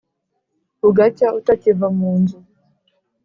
Bugacya utakiva mu nzu.